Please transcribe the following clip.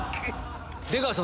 出川さん